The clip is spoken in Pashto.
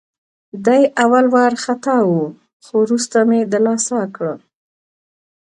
دی اول وارخطا وه، خو وروسته مې دلاسا کړه.